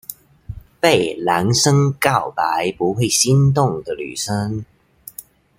被男生告白不會心動的女生